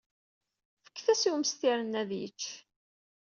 Fket-as i umestir-nni ad yečč.